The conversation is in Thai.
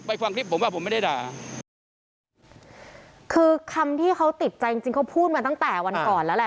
ฟังคลิปผมว่าผมไม่ได้ด่าคือคำที่เขาติดใจจริงจริงเขาพูดมาตั้งแต่วันก่อนแล้วแหละ